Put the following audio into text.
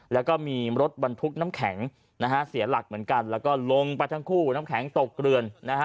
แล้วก็มีรถบรรทุกน้ำแข็งนะฮะเสียหลักเหมือนกันแล้วก็ลงไปทั้งคู่น้ำแข็งตกเกลือนนะฮะ